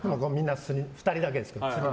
２人だけですよ。